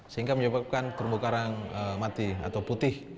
sehingga menyebabkan terumbu karang mati atau putih